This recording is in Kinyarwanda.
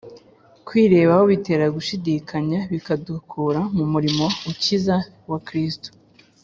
Kwirebaho bitera gushidikanya bikadukura mu murimo ukiza wa Kristo.